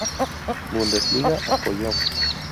Bundesliga apoyo.